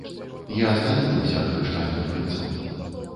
Я стамілася ад крыштальных прынцаў.